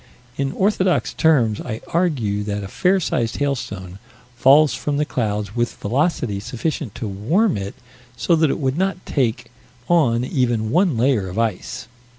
In orthodox terms I argue that a fair sized hailstone falls from the clouds with velocity sufficient to warm it so that it would not take on even one layer of ice.